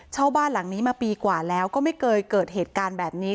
เช่าบ้านหลังนี้มาปีกว่าแล้วก็ไม่เคยเกิดเหตุการณ์แบบนี้